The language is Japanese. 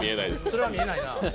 それは見えないなぁ。